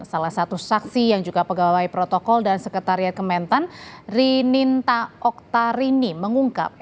salah satu saksi yang juga pegawai protokol dan sekretariat kementan rininta oktarini mengungkap